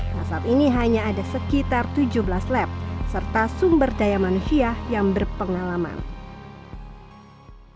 nah saat ini hanya ada sekitar tujuh belas lab serta sumber daya manusia yang berpengalaman